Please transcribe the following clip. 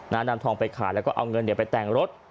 นำทองไปขายแล้วก็เอาเงินไปแต่งรถ